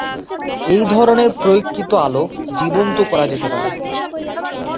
এই ধরনের প্রয়োগকৃত আলো জীবন্ত করা যেতে পারে।